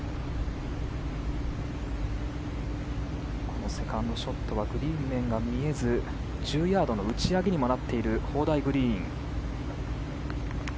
このセカンドショットはグリーン面が見えず１０ヤードの打ち上げにもなっている砲台グリーン。